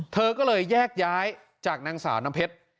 เธอก็เลยแยกย้ายจากนางสาวน้ำเพชร